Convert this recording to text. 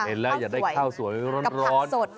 เห็นแล้วอย่าได้ข้าวสวยร้อนกับผักสด